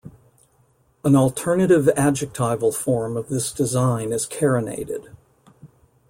An alternative adjectival form of this design is carinated.